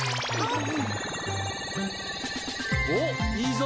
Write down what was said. おっいいぞ！